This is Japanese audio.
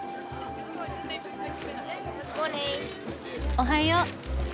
おはよう。